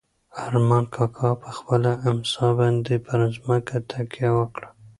ارمان کاکا په خپله امسا باندې پر ځمکه تکیه وکړه.